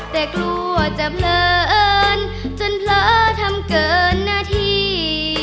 แต่กลัวจะเพลินจนเผลอทำเกินหน้าที่